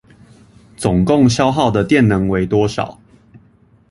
總共消耗的電能為多少？